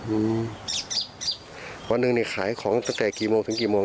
อืมวันหนึ่งเนี่ยขายของตั้งแต่กี่โมงถึงกี่โมง